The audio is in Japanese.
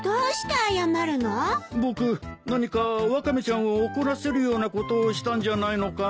僕何かワカメちゃんを怒らせるようなことをしたんじゃないのかい？